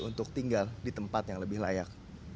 untuk tinggal di tempat yang lebih layak